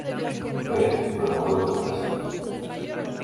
Ver bromuro de potasio.